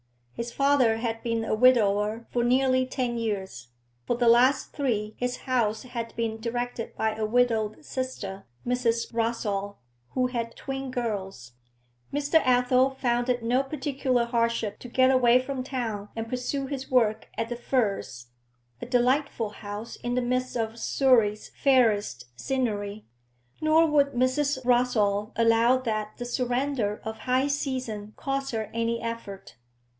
His father had been a widower for nearly ten years; for the last three his house had been directed by a widowed sister, Mrs. Rossall, who had twin girls. Mr. Athel found it no particular hardship to get away from town and pursue his work at The Firs, a delightful house in the midst of Surrey's fairest scenery, nor would Mrs. Rossall allow that the surrender of high season cost her any effort.